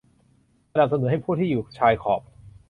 สนับสนุนให้ผู้ที่อยู่ชายขอบ